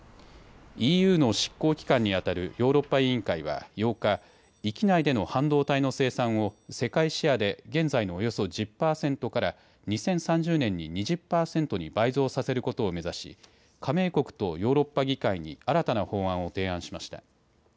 ＥＵの執行機関にあたるヨーロッパ委員会は８日、域内での半導体の生産を世界シェアで現在のおよそ１０％から２０３０年に２０％に倍増させることを目指し加盟国とヨーロッパ議会に新たな法案を提案しました。